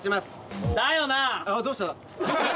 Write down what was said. どうした？